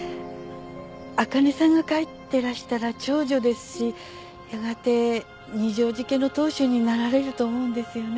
あかねさんが帰ってらしたら長女ですしやがて二条路家の当主になられると思うんですよね。